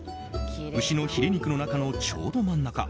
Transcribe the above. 牛のヒレ肉の中のちょうど真ん中。